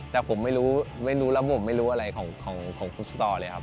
แต่ผมไม่รู้ไม่รู้ระบบไม่รู้อะไรของฟุตซอลเลยครับ